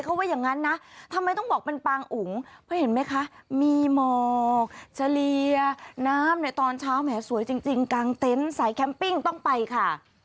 เขาว่าอย่างนั้นนะทำไมต้องบอกเป็นปางอุ๋งเพราะเห็นไหมคะมีหมอกเฉลี่ยน้ำในตอนเช้าแหมสวยจริงกลางเต็นต์สายแคมปิ้งต้องไปค่ะ